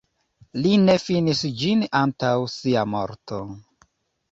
Li ne finis ĝin antaŭ sia morto.